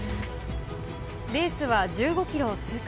レースは１５キロを通過。